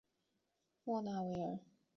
莫纳维尔。